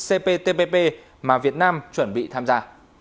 cptpp mà việt nam chuẩn bị tham gia